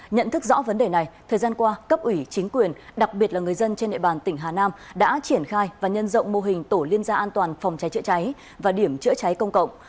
nhận thức rõ vấn đề này thời gian qua cấp ủy chính quyền đặc biệt là người dân trên địa bàn tỉnh hà nam đã triển khai và nhân rộng mô hình tổ liên gia an toàn phòng cháy chữa cháy và điểm chữa cháy công cộng